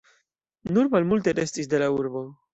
Nur malmulte restis de la urbo.